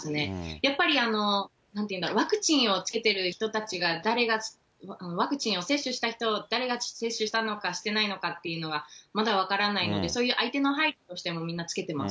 やっぱりなんて言うんだろう、ワクチンをつけた人たちが、誰が、ワクチンを接種した人、誰が接種したのか、してないのかっていうのがまだ分からないので、そういう相手への配慮としてもみんなマスク着けてます。